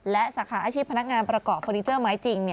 และสาขาอาชีพพนักงานประกอบเฟอร์นิเจอร์ไม้จริง